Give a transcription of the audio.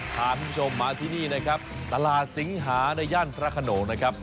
พาคุณผู้ชมมาที่นี่นะครับตลาดสิงหาในย่านพระขนงนะครับ